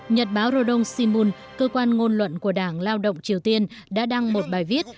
nhật báo rodong simun cơ quan ngôn luận của đảng lao động triều tiên đã đăng một bài viết